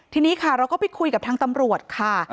ทีนี้ค่ะเราก็ไปคุยกับทางตำรวจค่ะ